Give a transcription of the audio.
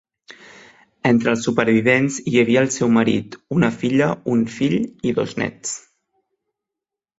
Entre els supervivents hi havia el seu marit, una filla, un fill i dos nets.